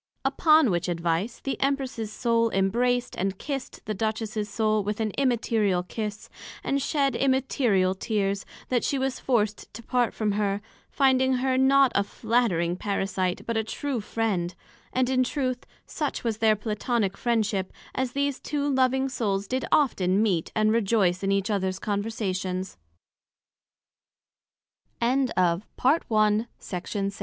Upon which Advice, the Empress's Soul embrac'd and kiss'd the Duchess's Soul with an Immaterial Kiss, and shed Immaterial Tears, that she was forced to part from her, finding her not a flattering Parasite, but a true Friend; and in truth, such was their Platonick Friendship, as these two loving Souls did often meet and rejoice in each others Conversation. The Second Part of the Descrip